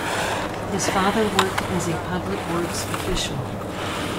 His father worked as a public works official.